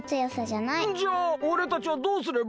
じゃあおれたちはどうすれば？